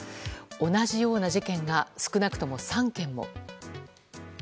同じような事件が少なくとも３件も。